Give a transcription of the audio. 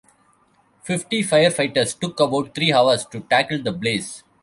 Fifty firefighters took about three hours to tackle the blaze.